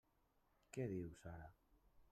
Què dius ara!